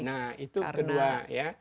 nah itu kedua ya